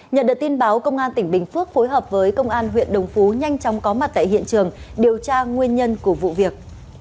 nhận được tin báo công an tỉnh bình phước phối hợp với công an huyện đồng phú nhanh chóng có mặt tại hiện trường điều tra nguyên nhân của vụ việc